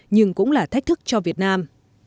nhưng cũng là thách thức cho việt nam